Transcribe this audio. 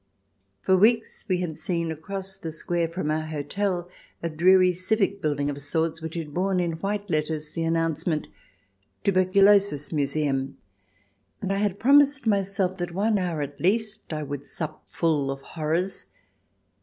For weeks we had seen across the square from our hotel a dreary civic building of sorts which had borne in white letters the announce ment " Tuberculosis Museum," and I had promised myself that one hour at least I would sup full of horrors.